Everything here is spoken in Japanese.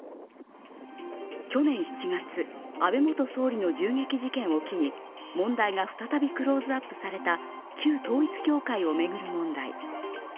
去年７月、安倍元総理の銃撃事件を機に問題が再びクローズアップされた旧統一教会を巡る問題。